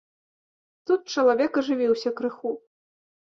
Тут чалавек ажывіўся крыху.